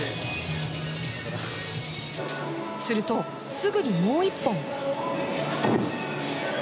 すると、すぐにもう１本。